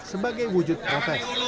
sebagai wujud protes